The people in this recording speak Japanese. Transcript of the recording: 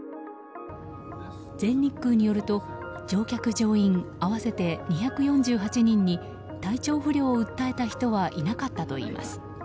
全日空によると乗客・乗員合わせて２４８人に体調不良を訴えた人はいなかったといいます。